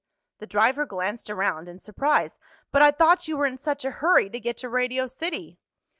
The driver glanced around in surprise. "But I thought you were in such a hurry to get to Radio City."